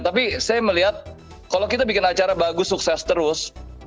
tapi saya melihat kalau kita bikin acara bagus sukses terus